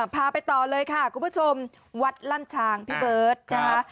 พาไปต่อเลยค่ะคุณผู้ชมวัดล่ำชางพี่เบิร์ตนะคะ